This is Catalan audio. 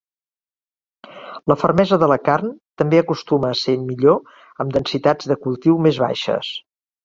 La fermesa de la carn també acostuma a ser millor amb densitats de cultiu més baixes.